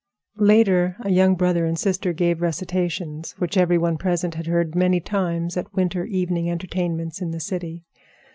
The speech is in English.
Later a young brother and sister gave recitations, which every one present had heard many times at winter evening entertainments in the city.